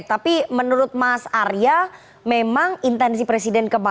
tapi menurut mas arya memang intensi presiden